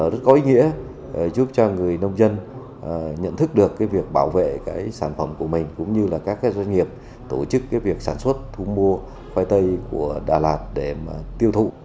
rất có ý nghĩa giúp cho người nông dân nhận thức được cái việc bảo vệ cái sản phẩm của mình cũng như là các doanh nghiệp tổ chức cái việc sản xuất thu mua khoai tây của đà lạt để mà tiêu thụ